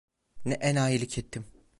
Ne enayilik ettim!